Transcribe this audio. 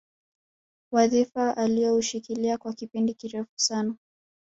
Wadhifa alioushikilia kwa kipindi kirefu sana